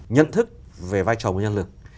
nhận thức về vai trò nguồn nhân lực